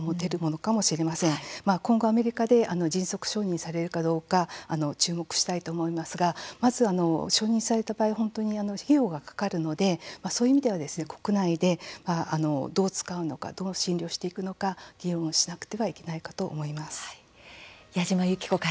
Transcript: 今後、アメリカで迅速承認されるかどうか注目したいと思いますがまず承認された場合、本当に費用がかかるのでそういう意味では国内でどう使うのかどう診療していくのか議論をしなくてはいけないかと思います。